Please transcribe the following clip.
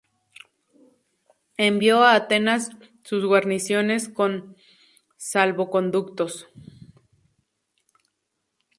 Envió a Atenas sus guarniciones con salvoconductos.